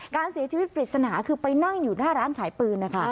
การเสียชีวิตปริศนาคือไปนั่งอยู่หน้าร้านขายปืนนะคะ